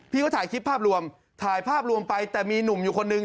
เขาถ่ายคลิปภาพรวมถ่ายภาพรวมไปแต่มีหนุ่มอยู่คนนึง